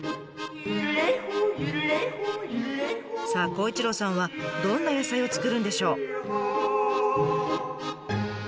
さあ孝一郎さんはどんな野菜を作るんでしょう？